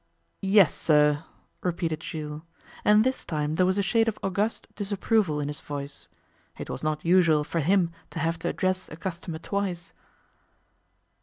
'Yes, sir?' repeated Jules, and this time there was a shade of august disapproval in his voice: it was not usual for him to have to address a customer twice.